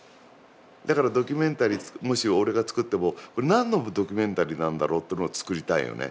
だからドキュメンタリーもし俺が作ってもこれ何のドキュメンタリーなんだろうっていうのを作りたいよね。